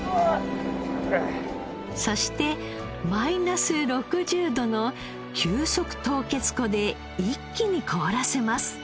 そしてマイナス６０度の急速凍結庫で一気に凍らせます。